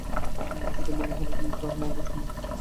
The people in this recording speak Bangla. বিষয়টা মনোহরলালের কিন্তু তাহার মমতাটা সম্পূর্ণ নীলকণ্ঠের।